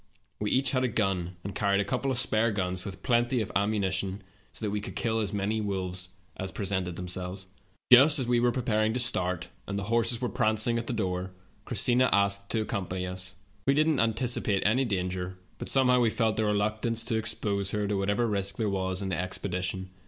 We each had a gun, and carried a couple of spare guns with plenty of ammunition, so that we could kill as many wolves as presented themselves. "Just as we were preparing to start, and the horses were prancing at the door, Christina asked to accompany us. We did not antici pate any danger, but somehow we felt a reluc tance to expose her to whatever risk there was in the expedition.